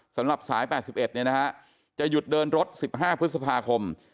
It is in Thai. สำหรับสาย๘๑จะหยุดเดินรถ๑๕พฤษภาคม